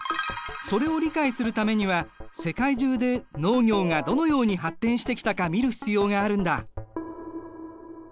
それを理解するためには世界中で農業がどのように発展してきたか見る必要があるんだ。